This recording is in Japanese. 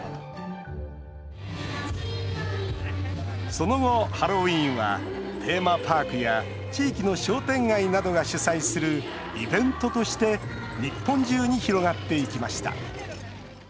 その後、ハロウィーンはテーマパークや地域の商店街などが主催するイベントとして日本中に広がっていきました。